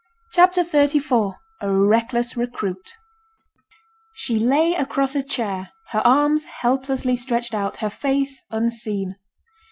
CHAPTER XXXIV A RECKLESS RECRUIT She lay across a chair, her arms helplessly stretched out, her face unseen.